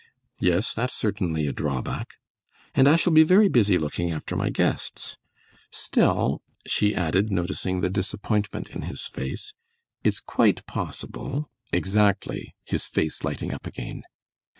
"Yes, that's certainly a drawback." "And I shall be very busy looking after my guests. Still," she added, noticing the disappointment in his face, "it's quite possible " "Exactly," his face lighting up again.